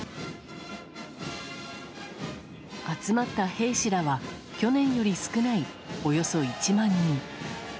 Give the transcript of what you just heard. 集まった兵士らは去年より少ないおよそ１万人。